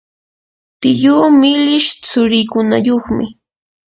tiyuu millish tsurikunayuqmi.